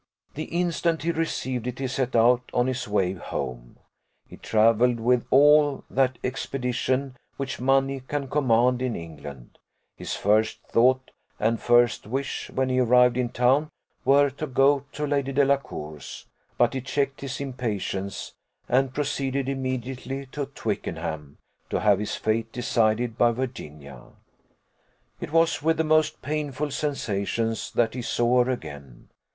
The instant he received it he set out on his way home; he travelled with all that expedition which money can command in England: his first thought and first wish when he arrived in town were to go to Lady Delacour's; but he checked his impatience, and proceeded immediately to Twickenham, to have his fate decided by Virginia. It was with the most painful sensations that he saw her again.